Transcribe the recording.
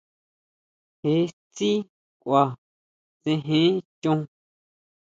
Je tsí kʼua, tsejen chon.